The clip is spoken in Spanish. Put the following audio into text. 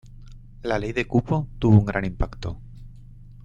La ley de cupo tuvo un gran impacto.